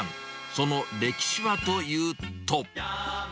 その歴史はというと。